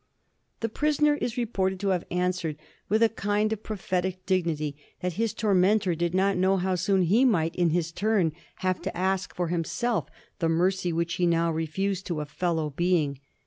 The prisoner is reported to have answered with a kind of prophetic dig nity that his tormentor did not know how soon he might in his turn have to ask for himself the mercy which he now refused to a fellow being.